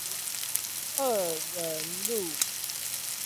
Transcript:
二仁路